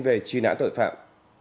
về truy nã tội phạm